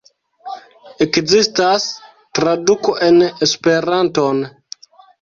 Ekzistas traduko en Esperanton.